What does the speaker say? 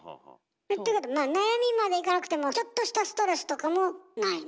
ていうことはまあ悩みまでいかなくてもちょっとしたストレスとかもないの？